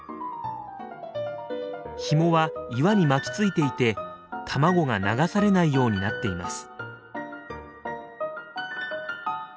ひもは岩に巻きついていて卵が流されないようになっています。